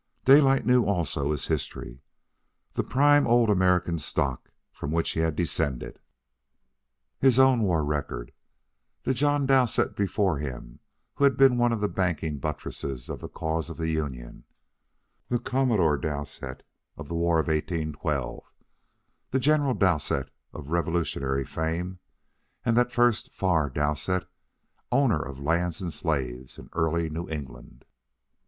Daylight knew also his history, the prime old American stock from which he had descended, his own war record, the John Dowsett before him who had been one of the banking buttresses of the Cause of the Union, the Commodore Dowsett of the War of 1812 the General Dowsett of Revolutionary fame, and that first far Dowsett, owner of lands and slaves in early New England.